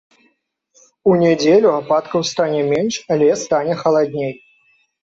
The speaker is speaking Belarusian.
У нядзелю ападкаў стане менш, але стане халадней.